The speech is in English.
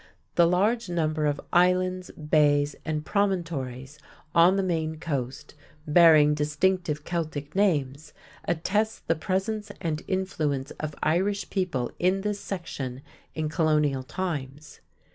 The large number of islands, bays, and promontories on the Maine coast bearing distinctive Celtic names attests the presence and influence of Irish people in this section in colonial times.